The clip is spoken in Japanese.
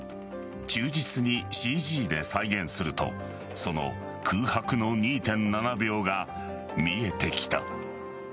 忠実にＣＧで再現するとその空白の２．７秒が見えてきた。